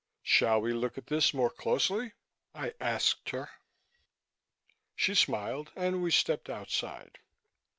"Shall we look at this more closely?" I asked her. She smiled and we stepped outside.